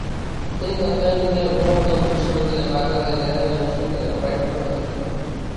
তিনি তৎকালীন দুনিয়ার বৃহত্তম বিশ্ববিদ্যালয় বাগদাদের নেজামিয়া বিশ্ববিদ্যালয়ে রেকটর নিযুক্ত হন।